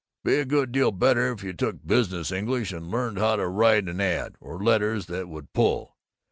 Be a good deal better if you took Business English, and learned how to write an ad, or letters that would pull.